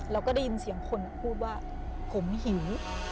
แล้วก็ได้ยินเสียงคนพูดว่าผมหิว